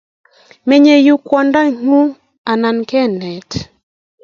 Menyei yu kwandangung anan kenet?